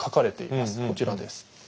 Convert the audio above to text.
こちらです。